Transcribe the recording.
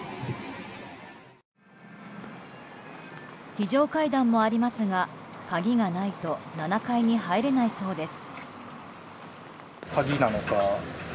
非常階段もありますが鍵がないと７階に入れないそうです。